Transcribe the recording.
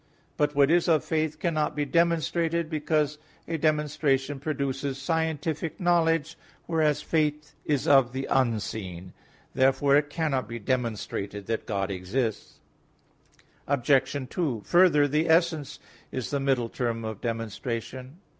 But what is of faith cannot be demonstrated, because a demonstration produces scientific knowledge; whereas faith is of the unseen (Heb. 11:1). Therefore it cannot be demonstrated that God exists. Obj. 2: Further, the essence is the middle term of demonstration.